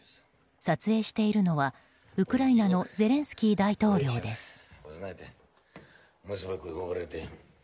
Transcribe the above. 撮影しているのはウクライナのゼレンスキー大統領です。